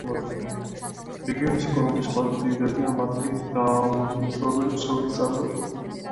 რეგიონის ეკონომიკის ყველაზე დიდი დარგია მატყლის დაუმუშავებელი ქსოვილის წარმოება.